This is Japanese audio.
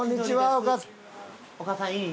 お母さんいい？